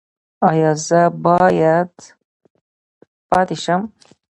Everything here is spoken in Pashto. ایا زه باید پاتې شم؟